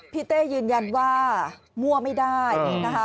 เต้ยืนยันว่ามั่วไม่ได้นะคะ